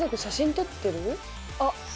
あっ。